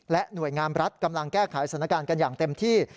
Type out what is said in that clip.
หน่วยงามรัฐกำลังแก้ไขสถานการณ์กันอย่างเต็มที่